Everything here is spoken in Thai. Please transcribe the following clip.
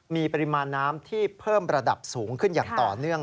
มีปริมาณน้ำที่เพิ่มระดับสูงขึ้นอย่างต่อเนื่อง